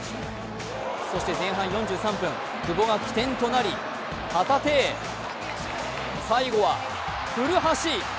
そして前半４３分久保が起点となり、旗手、最後は古橋！